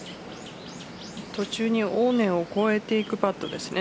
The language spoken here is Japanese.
途中におねを越えていくパットですね。